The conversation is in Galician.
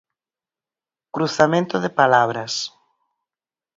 Cruzamento de palabras.